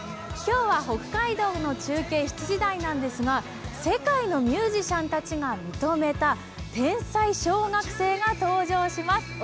今日は北海道の中継、７時台なんですが、世界のミュージシャンたちが認めた天才小学生が登場します。